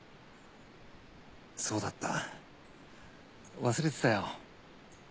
そうだった忘れてたよ。